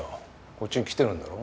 こっちに来てるんだろ？